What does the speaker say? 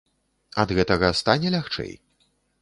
Ад гэтага стане лягчэй?